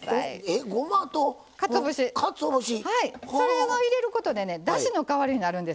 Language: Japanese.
それを入れることでねだしの代わりになるんですわ。